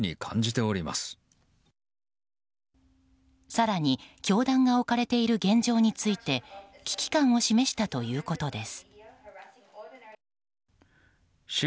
更に、教団が置かれている現状について危機感を示したということです。